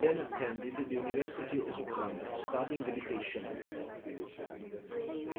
He then attended the University of Auckland, studying education.